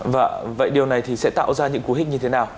và vậy điều này thì sẽ tạo ra những cú hích như thế nào